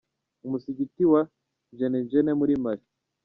Umusigiti wa Djenne Djenne muri Mali.